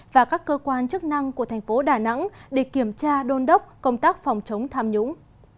và các cơ quan chức năng của thành phố đà nẵng để kiểm tra đôn đốc công tác phòng chống tham nhũng